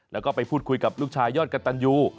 แล้วก็ไปพูดคุยกับลูกชายยอดกระตันยู